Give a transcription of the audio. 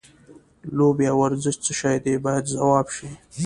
لوبې او ورزش څه شی دی باید ځواب شي.